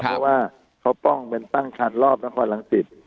เพราะว่าเขาป้องเป็นตั้งคันรอบนครรังสิต